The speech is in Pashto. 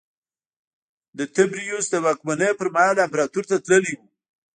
د تبریوس د واکمنۍ پرمهال امپراتور ته تللی و